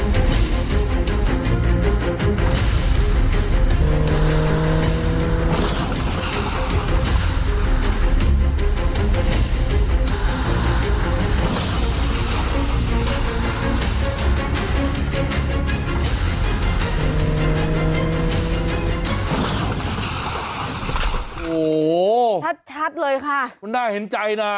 โจกรรมถัดเลยค่ะน่าเห็นใจเลยนะ